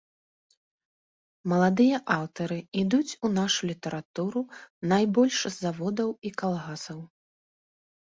Маладыя аўтары ідуць у нашу літаратуру найбольш з заводаў і калгасаў.